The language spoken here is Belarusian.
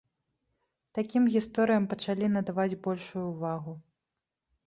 Такім гісторыям пачалі надаваць большую ўвагу.